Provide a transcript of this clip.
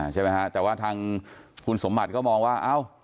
ใช่ไหมครับแต่ว่าทางคุณสมบัติก็มองว่า